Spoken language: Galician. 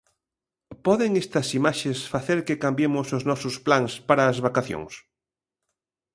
Poden estas imaxes facer que cambiemos os nosos plans para as vacacións?